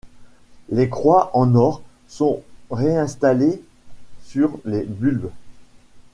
Les croix en or sont réinstallées sur les bulbes.